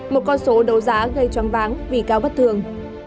một con số đấu giá gây choáng váng vì cao bất thường